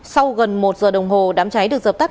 sau gần một giờ đồng hồ đám cháy được dập tắt